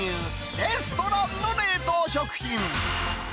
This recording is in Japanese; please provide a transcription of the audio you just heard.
レストランの冷凍食品。